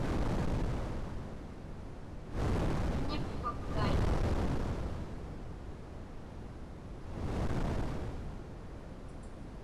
Qiñiqpakkaik.